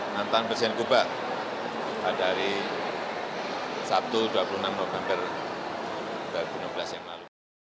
mantan presiden kuba pada hari sabtu dua puluh enam november dua ribu enam belas yang lalu